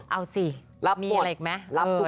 เอาสิรับบทรับทุกบทปาก